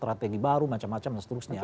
banyak macam macam dan seterusnya